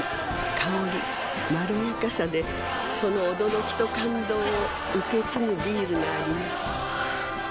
香りまろやかさでその驚きと感動を受け継ぐビールがあります